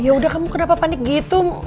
yaudah kamu kenapa panik gitu